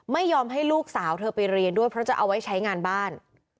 ไม่ยอมให้ลูกสาวเธอไปเรียนด้วยเพราะจะเอาไว้ใช้งานบ้าน